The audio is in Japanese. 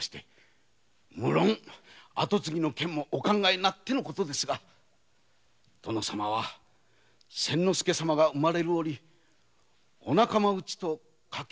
むろん跡継ぎの件もお考えになってのことですが殿様は千之助様が生まれるときお仲間内と賭をしたのです。